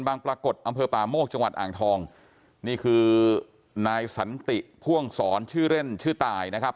ปรากฏอำเภอป่าโมกจังหวัดอ่างทองนี่คือนายสันติพ่วงสอนชื่อเล่นชื่อตายนะครับ